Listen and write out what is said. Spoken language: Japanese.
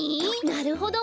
なるほど。